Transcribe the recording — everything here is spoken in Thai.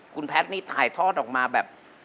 คุณแพทย์นี่ถ่ายทอดออกมาแบบ